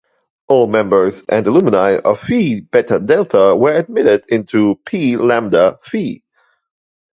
All members and alumni of Phi Beta Delta were admitted into Pi Lambda Phi.